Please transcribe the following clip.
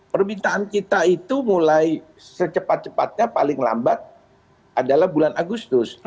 permintaan kita itu mulai secepat cepatnya paling lambat adalah bulan agustus